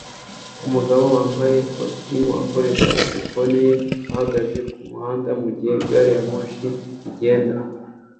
Umugabo wambaye ikositimu akoresha terefone ye ahagaze kumuhanda mugihe gari ya moshi igenda